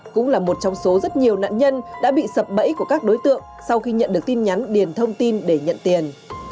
cũng là một trong số rất nhiều nạn nhân đã bị sập bẫy của các đối tượng sau khi nhận được tin nhắn điền thông tin để nhận tiền